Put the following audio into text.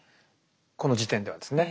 この時点ではですね。